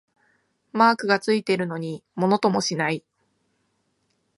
マークがついてるのにものともしない